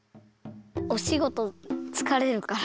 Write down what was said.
おしごとつかれるから。